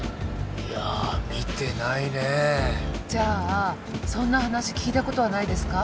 いや見てないねじゃあそんな話聞いたことはないですか？